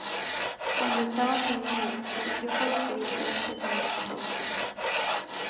Cuando estaba haciendo mi disco, yo sólo quería hacer este sonido"soulful".